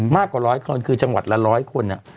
มากกว่าร้อยคนคือจังหวัดละ๑๐๐คน